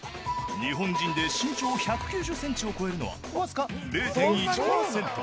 日本人で身長１９０センチを超えるのは、僅か０．１％。